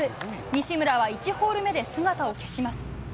西村は１ホール目で姿を消します。